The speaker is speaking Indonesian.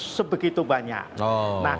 sebegitu banyak nah